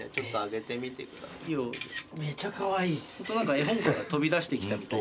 絵本から飛び出してきたみたい。